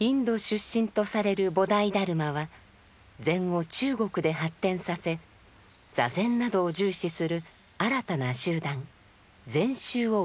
インド出身とされる菩提達磨は禅を中国で発展させ坐禅などを重視する新たな集団「禅宗」を打ち立てます。